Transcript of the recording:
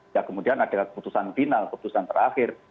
ya kemudian ada keputusan final keputusan terakhir